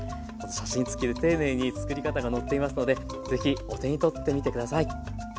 写真つきで丁寧につくり方が載っていますのでぜひお手に取ってみて下さい。